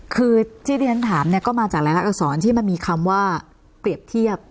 คือที่ฉันถามก็มาจากละละอักษรที่มันมีคำว่าเปรียบเทียบ